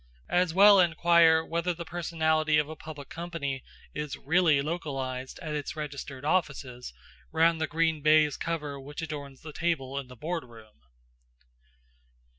As well inquire whether the personality of a public company is really localised at its registered offices, round the green baize cover which adorns the table in the boardroom.